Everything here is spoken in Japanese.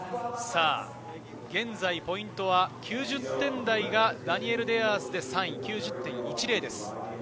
現在、ポイントは９０点台がダニエル・デアースで３位、９０．１０です。